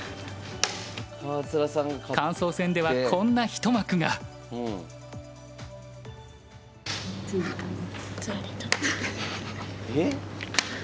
感想戦ではこんな一幕が。え？